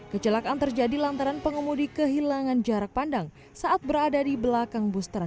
kecelakaan terjadi lantaran pengemudi kehilangan jarak pandang saat berada di belakang bus trans